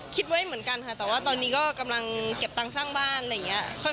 คิดไว้เหมือนกันค่ะแต่ว่าตอนนี้ก็กำลังเก็บตังค์สร้างบ้านอะไรอย่างนี้